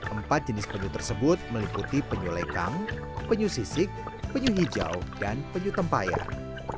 empat jenis penyuh tersebut meliputi penyuh lekang penyuh sisik penyuh hijau dan penyuh tempayan